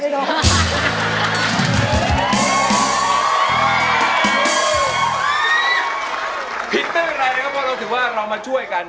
พิธีอะไรละนะคุณต้องลองถือว่าคุณมาช่วยกัน